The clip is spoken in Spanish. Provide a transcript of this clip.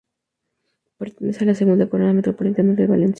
Pertenece a la segunda corona metropolitana de Valencia.